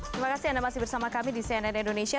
terima kasih anda masih bersama kami di cnn indonesia